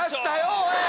おい。